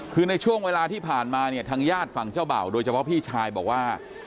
คือในช่วงเวลาที่ผ่านมาเนี่ยทางญาติฝั่งเจ้าเบ่าโดยเฉพาะพี่ชายบอกว่า